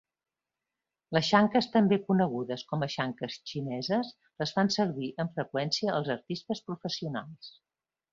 Les xanques, també conegudes com a "xanques xineses", les fan servir amb freqüència els artistes professionals.